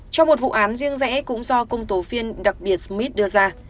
trong một vụ án riêng rẽ cũng do công tố viên đặc biệt smith đưa ra